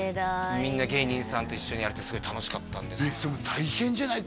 みんな芸人さんと一緒にやれてすごい楽しかったんでそれ大変じゃない？